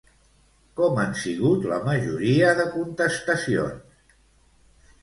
Com han sigut la majoria de contestacions?